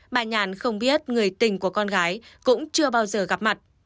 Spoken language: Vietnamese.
bà nhàn không biết người tình của con gái cũng chưa bao giờ gặp mặt